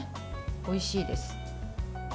おいしいです。